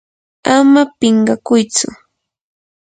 ama pinqakuytsu.